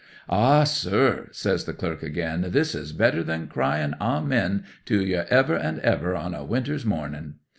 '"Ah, sir," says the clerk again, "this is better than crying Amen to your Ever and ever on a winter's morning!"